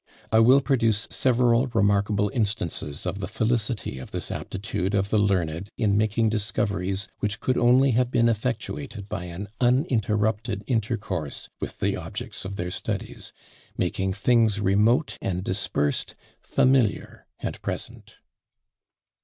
I will produce several remarkable instances of the felicity of this aptitude of the learned in making discoveries which could only have been effectuated by an uninterrupted intercourse with the objects of their studies, making things remote and dispersed familiar and present.